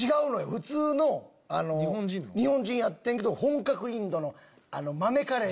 普通の日本人やってんけど本格インドの豆カレー。